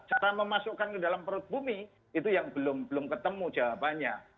cara memasukkan ke dalam perut bumi itu yang belum ketemu jawabannya